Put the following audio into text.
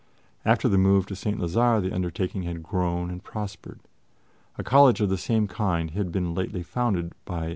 After the move to St. Lazare the undertaking had grown and prospered. A college of the same kind had been lately founded by M.